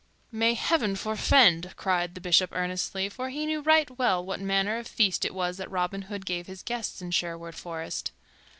"May Heaven forfend!" cried the Bishop earnestly; for he knew right well what manner of feast it was that Robin Hood gave his guests in Sherwood Forest.